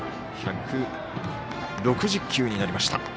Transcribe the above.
１６０球になりました。